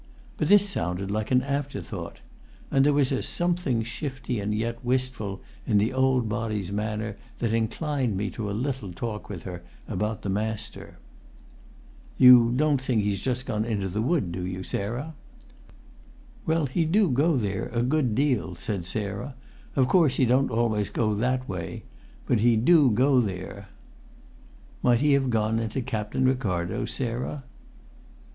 But this sounded like an afterthought; and there was a something shifty and yet wistful in the old body's manner that inclined me to a little talk with her about the master. "You don't think he's just gone into the wood, do you, Sarah?" "Well, he do go there a good deal," said Sarah. "Of course he don't always go that way; but he do go there." "Might he have gone into Captain Ricardo's, Sarah?"